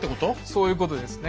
そういうことですね。